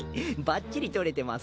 ばっちり撮れてますよ。